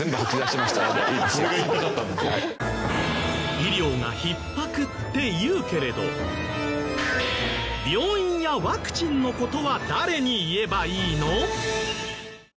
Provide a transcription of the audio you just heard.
医療がひっ迫って言うけれど病院やワクチンの事は誰に言えばいいの？